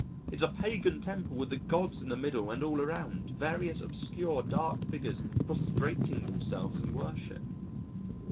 It's a pagan temple with the Gods in the middle and all around, various obscure dark figures prostrating themselves in worship.